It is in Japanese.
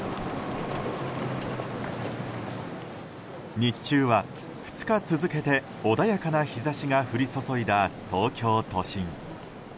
日中は２日続けて穏やかな日差しが降り注いだ東京都心。